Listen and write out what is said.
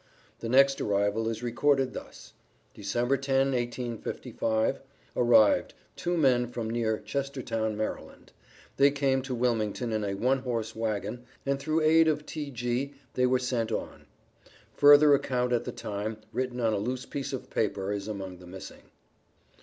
The next arrival is recorded thus: "Dec. 10, 1855, Arrived, two men from near Chestertown, Md. They came to Wilmington in a one horse wagon, and through aid of T.G. they were sent on." (Further account at the time, written on a loose piece of paper, is among the missing).